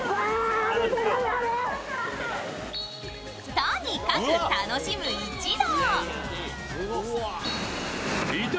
とにかく楽しむ一同。